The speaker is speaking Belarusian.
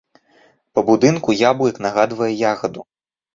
Па будынку яблык нагадвае ягаду.